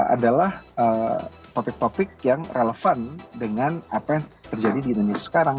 adalah topik topik yang relevan dengan apa yang terjadi di indonesia sekarang